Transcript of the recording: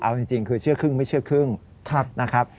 เอาจริงคือเชื่อครึ่งไม่เชื่อครึ่งนะครับ